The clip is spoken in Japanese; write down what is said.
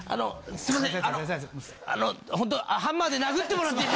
すいません。